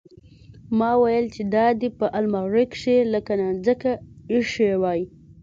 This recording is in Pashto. ما ويل چې دا دې په المارۍ کښې لکه نانځکه ايښې واى.